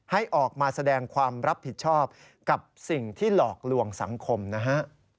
ให้ออกมาแสดงความรับผิดชอบกับสิ่งที่หลอกลวงสังคมนะฮะ